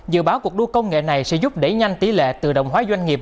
dự báo cuộc đua công nghệ này sẽ giúp đẩy nhanh tỷ lệ tự động hóa doanh nghiệp